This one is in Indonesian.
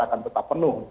akan tetap penuh